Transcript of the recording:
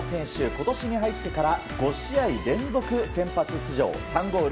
今年に入ってから５試合連続先発出場３ゴール